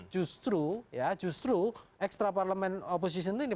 justru ya justru ekstra parlemen oposisi ini